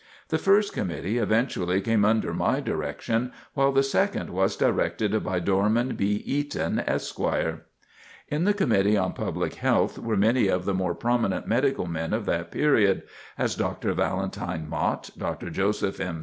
The first committee eventually came under my direction, while the second was directed by Dorman B. Eaton, Esq. In the Committee on Public Health were many of the more prominent medical men of that period, as Dr. Valentine Mott, Dr. Joseph M.